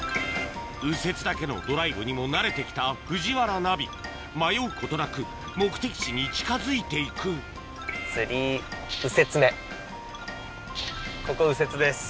右折だけのドライブにも慣れて来た藤原ナビ迷うことなく目的地に近づいて行くここ右折です。